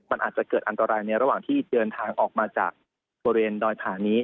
มันอาจจะเกิดอันตรายในระหว่างที่เดินทางออกมาจากบริเวณดอยผ่านี้